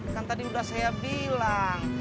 kan tadi udah saya bilang